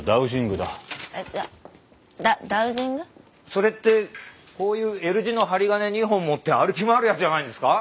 それってこういうＬ字の針金２本持って歩き回るやつじゃないんですか？